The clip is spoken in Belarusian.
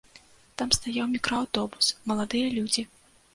Там стаяў мікрааўтобус, маладыя людзі.